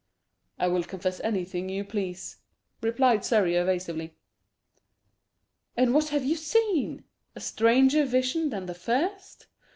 "I will confess anything you please," replied Surrey evasively. "And what have you seen? a stranger vision than the first?"